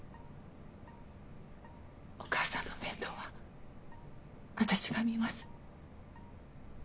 お義母さんの面倒は私が見ます。